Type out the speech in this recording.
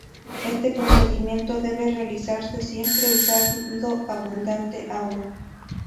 Este procedimiento debe realizarse siempre usando abundante agua.